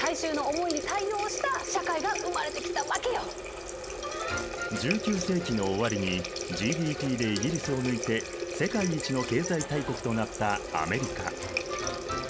えっと確かそれまでの１９世紀の終わりにＧＤＰでイギリスを抜いて世界一の経済大国となったアメリカ。